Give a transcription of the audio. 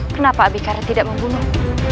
kenapa abikara tidak membunuh